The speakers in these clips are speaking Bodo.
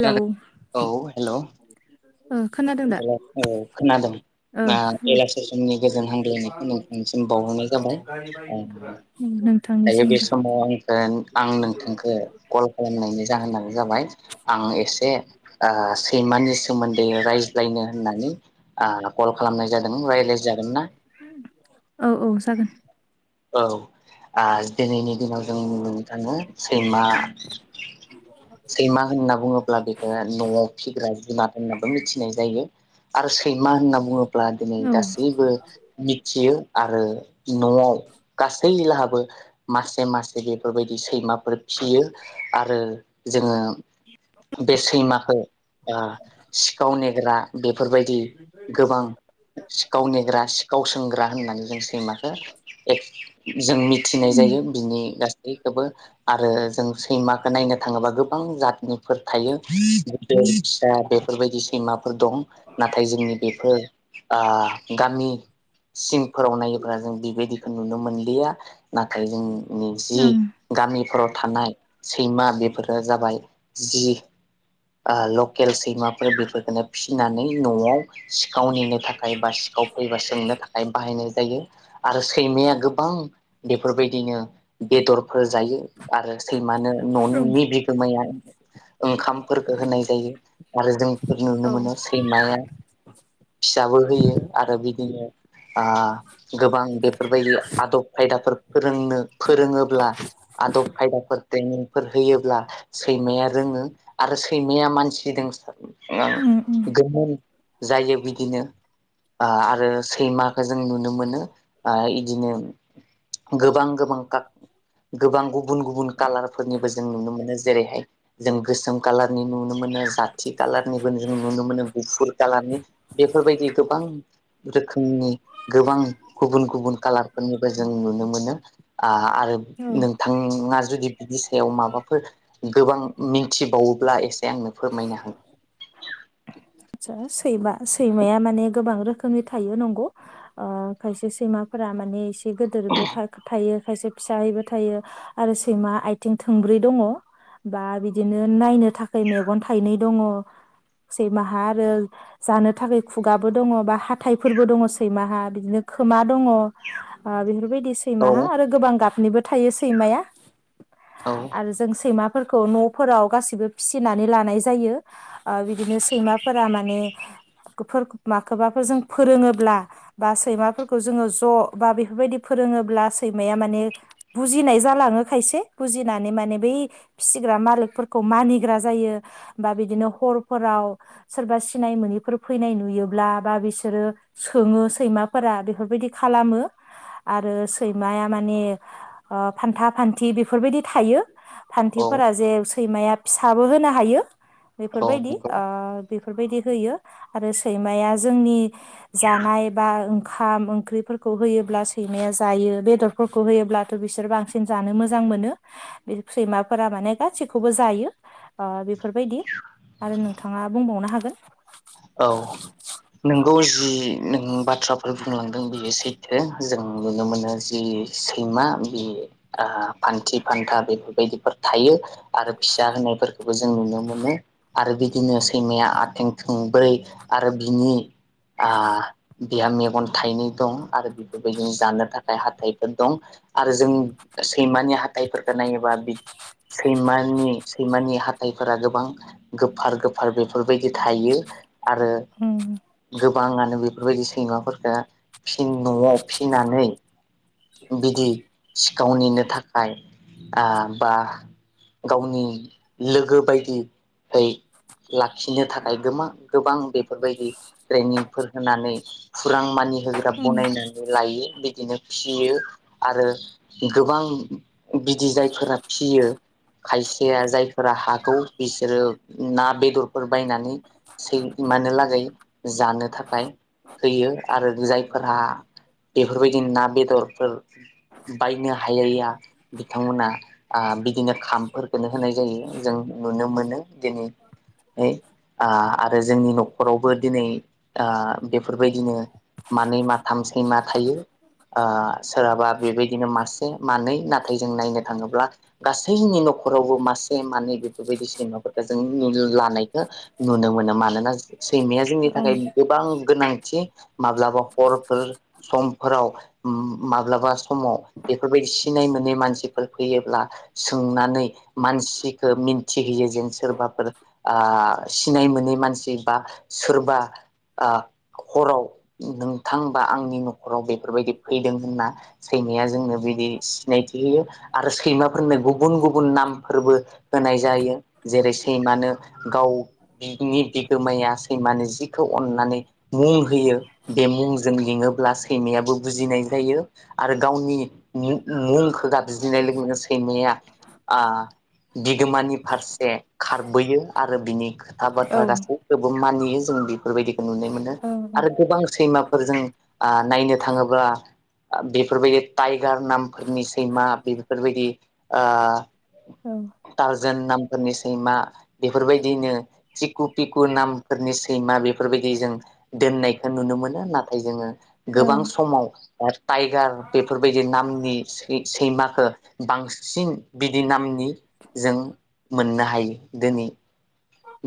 हेलौ औ हेल। ओ खोनादों दा हेलौ, ओ खोनादों। ओ दा हेलौ बेलासे समनि गोजोन हामग्लायनायखौ नोंथांनिसिम बावहरनाय जाबाय। ओ दायो बे नोंथांनिसिमबो समाव आंखौ आं नोंथांखौ कल खालामनायनि जाहोनानो जाबाय आं एसे ओ सैमानि सोमोन्दै रायज्लायनो होननानै ओ कल खालामनाय जादों। रायज्लायजागोन ना? औ औ जागोन। औ, ओ दिनैनि दिनाव जों [unintelligible] सैमा। सैमा होनना बुङोब्ला बेखौ न'आव फिग्रा जुनार होननाबो मिथिनाय जायो आरो सैमा होनना बुङो ब्ला दिनै औ गासैबो मिथियो आरो न'आव गासै लाहाबो मासे मासे बेफोरबायदि सैमाफोर फियो आरो जोङो बे सैमाखौ ओ सिखाव नेग्रा बेफोरबायदि गोबां सिखाव नेग्रा सिखाव सोंग्रा होननानै जों सैमाखौ जों मिथिनाय उम जायो बिनि गासैखौबो आरो जों सैमाखो नायनो थाङोबा गोबां जातनिफोर थायो, गिदिर फिसा बेफोरबायदि सैमाफोर दं। नाथाय जोंनि बेफोर गामि आ सिंफोराव नायोब्ला जों बेबायदि नुनो मोनलिया। नाथाय जों नि जि ओं गामिफोराव थानाय सैमा बेफोरो जाबाय जि आ लकेल सैमाफोर बेफोरखौनो फिसिनानै न'आव सिखाव नेनो थाखाय बा सिखाव फैबा सोंनो थाखाय बाहायनाय जायो आरो सैमाया गोबां बेफोरबायदिनो बेदरफोर जायो आरो सैमानो न'नि बिगोमाया ओंखामफोरखौ होनाय जायो आरो जों नुनो औ मोनो उम सैमाया फिसाबो होयो आरो बिदिनो आ गोबां बे बेफोरबायदि आदब खायदाफोर फोरोंनो फोरोङोब्ला आदब खायदाफोर ट्रेनिंफोर होयोब्ला सैमाया रोङो आरो सैमाया मानसि दों सार उम गोमोन जायो बिदिनो आ आरो सैमखौ जों नुनो मोनो आं इदिनो गोबां गोबां खा गोबां गुबुन गुबुन कालारफोरनिबो जों नुनो मोनो जेरैहाय जों गोसोम कालारनि नुनो मोनो जाथि खाालारनिबो जों नुनो मोनो गुफुर कालारनि बेफोरबायदि गोबां रोखोमनि गोबां गुबुन गुबुन कालारफोरनिबो जों नुनो मोनो आ आरो औ नोंथाङा जुदि बिनि सायाव माबाफोर गोबां मिथिबावोब्ला एसे आंनो फोरमायनो हागोन आदसा सैमा सैमाया माने गोबां रोखोमनि थायो नंगौ खायसे ओ सैमाफोरा माने एसे एसे गिदिरबो थाख थायो [unintelligible] फिसाहैबो थायो आरो सैमा आथिं थोंब्रै दङ बा बिदिनो नायनो थाखाय मेगन थाइनै दङ सैमाहा आरो जानो थाखाय खुगाबो दङ बा हााइफोरबो दङ सैमाहा बिदिनो खोमा दङ ओ बेफोर बेबायदि औ सैमाहा आरो गोबां गाब निबो थायो सैमाया औ आरो जों सैमा फोरखौ न'फोराव गासिबो फिसिनानै लानाय जायो ओ बिदिनो सैमाफोरा माने माखौबाफोर जों फोरोङोब्ला बा सैमाफोरखौ जोङो ज' बा बेफोरबायदि फोरोङोब्ला सैमाया माने बुजिनाय जालाङो खायसे बुजिनानै माने बै फिसिग्रा मालिकफोरखौ मानिग्रा जायो बा बिदिनो हरफोराव सोरबा सिनाय मोनिफोर फैनाय नुयोब्ला बा बिसोरो सोङो सैमाफोरा बेफोरबायदि खालामो आरो सैमाया माने ओ फान्था फान्थि बेफोरबायदि थायो औ फान्थिफोरा जे सैमाया फिसाबो होनो हायो औ बेफोरबायदि नंगौ ओ बेफोरबायदि होयो आरो सैमाया जोंनि जानाय बा ओंखाम ओंख्रिफोरखौ होयोब्ला सैमाया जायो बेदरफोरखौ होयो अब्लाथ' बिसोर बांसिन जानो मोजां मोनो बे सैमाफोरा माने गासिखौबो जायो ओ बेफोरबायदि आरो नोंथाङा बुंबावनो हागोन नोंगौ औ जि नों बाथ्राफोर बुंलांदों बेयो सैथो जों नुनो मोनो जि सैमा बे ओ फान्थि फान्था बेफोरबायदिफोर थायो आरो फिसा होनायफोरखौबो जों नुनो मोनो आरो बिदिनो सैमाया आथें थोंब्रै आरो बिनि आ बिहा मेगन थाइनै दं आरो बेफोरबायदिनो जानो थाखाय हाथाइफोर दं आरो जों सैमानि हाथाइफोरखौ नायोबा सैमानि सैमानि हाथाइफोरा गोबां गोफार गोफार बेफोरबायदि थायो [inaudible] आरो उम गोब गोबाङानो बेफोरबायदि सैमाफोरखो फिन न'आव फिनानै बिदि सिखावनिनो थाखाय आ बा गावनि लोगो बायदियै लाखिनो थाखाय गोबा गोबां बे बेफोरबायदि ट्रेनिंफोर होननानै फुरां मानि होग्रा उम बनायनानै लायो । बेदिनो । फियो आरो गोबां बिदि जायफोरा फियो खायसेया जायफोरा हागौ बिसोरो ना बेदरफोर बायनानैै सैमानो लागै जानो थाखाय होयो आरो जायफोरा बेफोरबायदि ना बेदर सथरफोर बायनो हायैया बिथांमोना आ बिदिनो खामफोरखौनो होनाय जायो जों नुनो मोनो दिनै आ आरो जोंनि न'खरावबो दिनै आ बेफोरबायदिनो मानै माथाम सैमा थायो । आ सोरहाबा बेबायदिनो मासे मानै नाथाय जों नायनो थाङोब्ला गासैनि न'खरावबो मासे मानै बेफोरबायदि सैमाफोरखौ जों लानायखौ नुनो मोनो मानोना सैमाया जोंनि औ थाखाय गोबां गोनांथि माब्लाबा हरफोर समफोराव माब्लाबा समाव बेफोरबायदि सिनाय मोनै मानसिफोर फैयोब्ला सोंनानै मानसिखो मिन्थिहोयो जेन सोरबाफोर सिनाय मोनै मानसि बा सोरबा हराव नोंथां बा आंनि न'खराव बेफोरबायदि फैदों होनना सैमाया जोंनो बिदि सिनायथि होयो आरो सैमाफोरनो गुबुन गुबुन नामफोरबो होनाय जायो जेरै सैमानो गाव बिनि बिगोमाया सैमानो जिखौ अन्नानै मुं होयो बे मुंजों लिङोब्ला सैमायाबो बुजिनाय जायो आरो गावनि मुंखौ गाबज्रिनाय लोगो सैमाया आ बिगोमानि फारसे खारबोयो आरो बिनि औ आबाद्रा गासैखौबो मानि जों बेफोरबायदि । नुनो मोनो आरो गोबां सैमा जों आ नायनो नो थाङोबा बेफोरबायदि टाइगार नामफोरनि सैमा बेफोरबायदि ओ औ । अजोन नामफोरनि सैमा बेफोरबायदिनो थिकु पिकु नामफोरनि सैमा बेफोरबायदि जों दोननायखौ नुनो मोनो नाथाय जोङो औ गोबां स आरो टाइगार बेफोरबायदि नामनि सै सैमाखो बांसिन बिदि नामनि जों मोननो हायो दिनै ।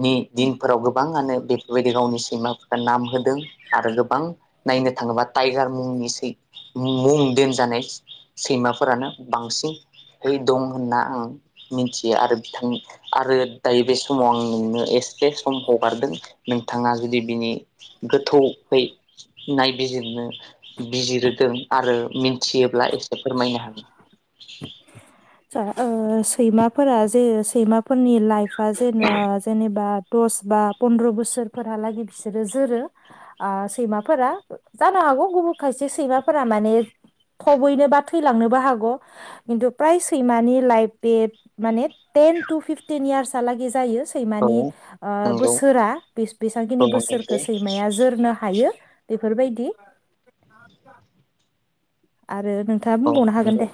नि दिनफोराव गोबाङानो बेफोरबायदि गावनि सैमाफोरखौ नाम होदों आरो गोबां नायनो थाङोबा टाइगार मुंनि मुं दोनजानाय सैमाफोरानो बांसिनै दं होनना आं मिथियो आरो बिथां आरो दायो बे समाव आं । मोननो एसेसे सम हगारदों नोंथाङा जुदि बिनि गोथौहै नायबिजिरनो बिजिरदों आरो मिथियोब्ला एसे फोरमायनो हागोन । ओ ओ सैमाफोरा जे सैमाफोरनि लाइफ बा जेन जेनेबा दस बा पन्द्र' बोसोर फोरहालागै बिसोरो जोरो आ सैमाफोरा जानो हागौ गुबुन खायसे सैमाफोरा माने थबैनो बा थैलांनोबो हागौ । खिन्थु फ्राय सैमानि लाइफ बे माने टेन टु फिफटिन इयार्सहालागै जायो । औ सैमानि ओ नंगौ बोसोरा बेसेबांखिनि औ बोसोरखौ नंगौ सैमाया जोरनो हायो । बेफोरबायदि । आरो औ नंगौ दे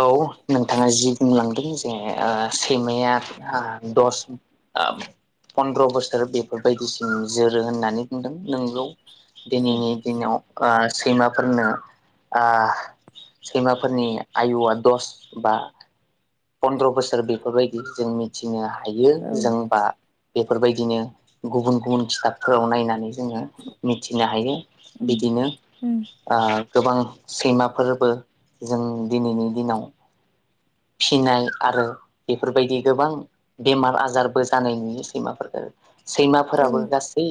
औ नों । थाङा जि बुंलांदों जे सैमाया दस ओ पन्द्र' बोसोर बेफोरबायदिसिम जोरो होननानै बुंदों नोंगौ । दिनैनि दिनाव । ओ सैमाफोरनो ओ सैमाफोरनि आयुआ दस बा फन्द्र' बोसोर बेफोरबायदि जों मिथिनो हा हायो औ जोंबा बेफोरबायदिनो गुबुन गुबुन खिथाबफोराव नायनानै जोङो मिथिनो हायो उम बिदिनो उम ओ गोबां सैमा फोरबो जों दिनैनि दिनाव फिनाय आरो बेफोरबायदि गोबां बेमार आजारबो जानाय नुयो सैमाफोरफोरखौ औ सैमाफोराबो गासै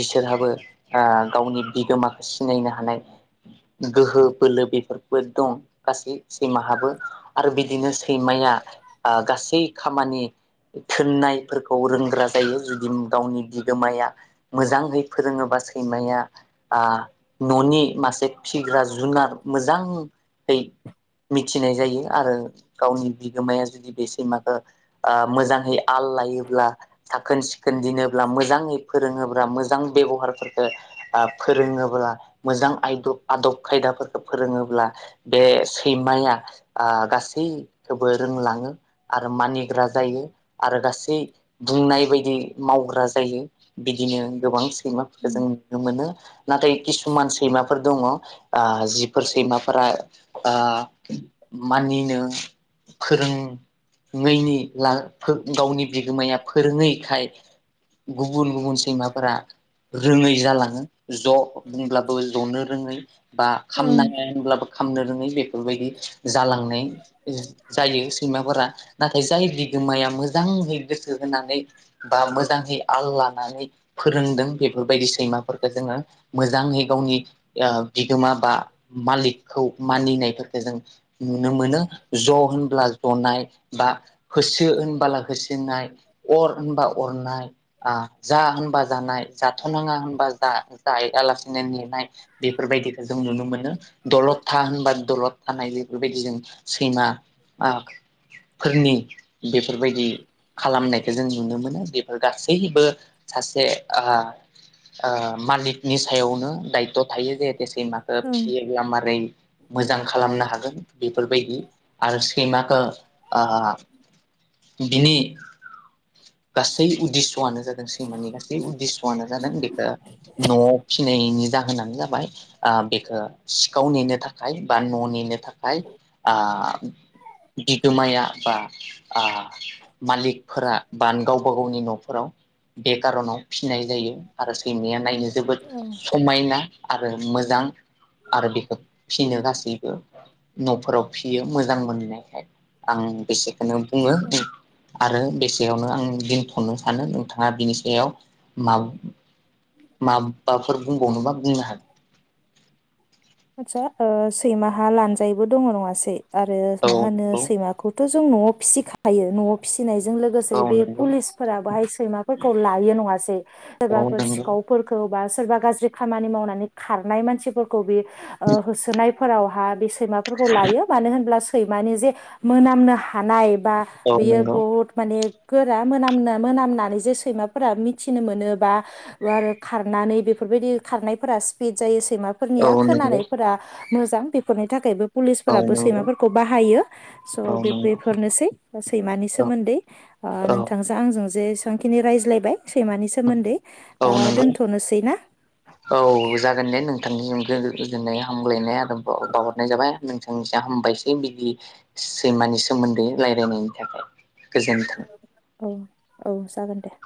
बिसोरहाबो ओ गावनि बिगोमाखौ सिनायनो हानाय गोहो बोलो बेफोरबो दं गासै सैमाहाबो आरो बिदि बिदिनो सैमाया ओ गासै खामानि थोननायफोरखौ रोंग्रा जायो जुदि गावनि बिगोमाया मोजांहै फोरोङोबा सैमाया ओ न'नि मासे फिग्रा जुनार मोजाङै मिथिनाय जायो आरो गावनि बिगोमाया जुदि बे सैमाखौ ओ मोजाङै आल लायोब्ला साखोन सिखोन दिनोब्ला मोजाङै फोरोङोब्ला मोजां बेब'हारफोरखौ फोरोङोब्ला मोजां आयदब आदब खायदाफोरखौ फोरोङोब्ला बे सैमाया गासै खौबो रोंलाङो आरो मानिग्रा जायो आरो गासै बुंनाय बायदि मावग्रा जायो। बिदिनो गोबां सैमाफोरखौ जों उम नुनो मोनो नाथाय किसुमान सैमा फोर दङ ओ जिफोर सैमाफोरा बा मानिनो फोरोङैनि गावनि बिगोमाया फोरोङैखाय गुबुन गुबुन सैमाफोरा रोङै जालाङो ज' होनब्लाबो ज'नो रोङै बा ओं खामनाङा होनब्लाबो खालामनो रोङै बेफोरबायदि जालांनाय जायो सैमाफोरा नाथाय जाय बिगोमाया मोजां गोसो होनानै बा मोजाङै आल लानानै फोरोंदों बेफोरबायदिसो सैमाफोरखौ जोङो मोजाङै गावनि ओ बिगोमा बा मालिकखौ मानिनायफोरखौ जों नुनो मोनो। ज' होनब्ला जनाय बा होसो होनबोला होसो नाय अर होनबा अरनाय। ओ जा होनबा जानाय जाथ'नाङा होनबा जा- जायालासिनो नेनाय बेफोरबायदिखौ जों नुनो मोनो। दलद था होनबा दलद थानाय बेफोरबायदि जों सैमा फोरनि बेफोरबायदि खालामनायखौ जों नुनो मोनो बेफोर गासैबो सासे ओ ओ मालिकनि सायावनो दायथ' थायो जे सैमाखो ओं फियोब्ला मारै मोजां खालामनो हागोन बेफोरबादि आरो सैमखो ओ बिनि गासै उददिस'आनो जादों सैमानि गासै उदिस'आनो जादों बेखौ न'आव फिनायनि जा होनानोजाबाय आ बेखौ सिखाव नेनो थाखाय बा न' नेनो थाखाय आ बिगोमाया बा आ मालिकफोरा बान गावबा गावनि न'फोराव बे खार'नाव फि फिनाय जायो आरो सैमाया नायनो जोबोद औ समायना आरो मोजां आरो बेखौ फिनो गासैबो न'फोराव फियो मोजां मोननायखाय आं बेसे खोनोबुंङो औ उम। आरो बेसे यावनो आं दिनथ'नो सानो नोंथाङा बिनि सायाव मा माबाफोर बुंबावनोबा बुंनो हागोन। आतसा ओ सैमाहा लानजायबो दङ नङासै? आरो मा होनो हागोन। सैमाखौ। थ जों न'आव फिसिखायो न'आव फिसि। फिनायजों लोगोसे औ बे नंगौ पुलिसफोरा बाहाय। सैमाफोरखौ लायो नंङासै। औ सोरबाफोर नंगौ सिखावफोरखौ बा। सोरबा गाज्रि खामानि मावनानै खार। नाय मानसिफोरखौ बि। ओ होसोनाय। फोराव हा बे सो। सैमाफोरखौ लायो मानो होनब्ला। सैमानो जे मोनामनो हानाय। बा औ बियो नंगौ बहुत माने। गोरा मोनामनो मोनामनानै जे सैमाफोरा मिथिनो मोनोबा आरो खारनानै बेफोरबायदि खारनायफोरा सिप। पिजाइस। औ नंगौ सैमाफोरनिया औ नंगौ खोनानायफोरा। मोजां बेफोरनि थाखायबो। औ पुलिसफोराबो नंगौ सैमाफोरखौ बाहायो स औ बे नंगौ बेफोरनोसै सैमानि औ सोमोन्दै ओ औ नोंथांजों आंजों। जेसेबांखिनि रायज्लायबाय। सैमानि सोमोन्दै दा औ नंगौ दोनथनोसै ना। औ जागोन दे नोंथांनिसिम गोजोननाय हामग्लायनाय आरो बाहरनाय जाबाय नोंथांनिसि हामबायसै बिदि सैमानि सोमोन्दै रायलायनायनि थाखाय। गोजोन्थों। औ औ जागोन दे।